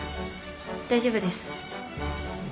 大丈夫です。